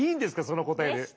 その答えで。